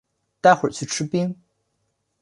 待会去吃冰